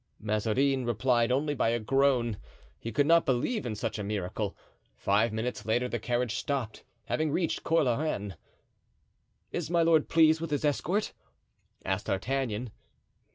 Mazarin replied only by a groan; he could not believe in such a miracle. Five minutes later the carriage stopped, having reached Cours la Reine. "Is my lord pleased with his escort?" asked D'Artagnan.